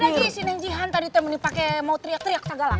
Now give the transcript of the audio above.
lihat lagi si nenjihan tadi teh mau teriak teriak segala